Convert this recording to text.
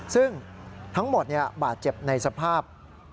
ซึ่งทั้งหมดบาดเจ็บในสภาพ